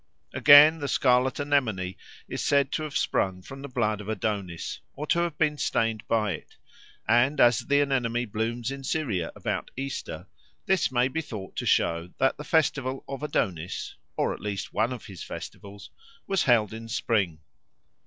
Again, the scarlet anemone is said to have sprung from the blood of Adonis, or to have been stained by it; and as the anemone blooms in Syria about Easter, this may be thought to show that the festival of Adonis, or at least one of his festivals, was held in spring.